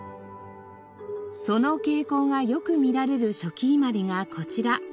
その傾向がよく見られる初期伊万里がこちら。